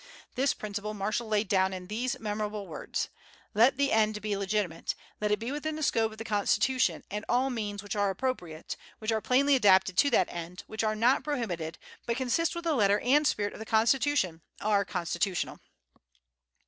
This principle Marshall laid down in these memorable words: "Let the end be legitimate, let it be within the scope of the Constitution, and all means which are appropriate, which are plainly adapted to that end, which are not prohibited, but consist with the letter and spirit of the Constitution, are constitutional."